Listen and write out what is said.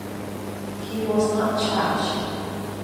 He was not charged.